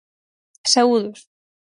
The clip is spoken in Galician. Saúdos.